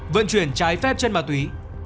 vận chuyển ma túy